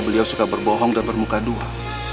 beliau suka berbohong dan bermuka dua